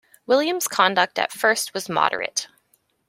William’s conduct at first was moderate.